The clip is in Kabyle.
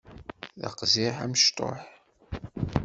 D aqziḥ amecṭuḥ.